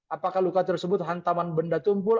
apakah luka tersebut hantaman benda tumpul